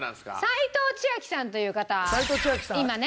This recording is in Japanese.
齋藤千明さんという方は今ね。